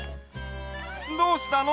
どうしたの？